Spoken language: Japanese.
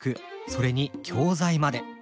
それに教材まで。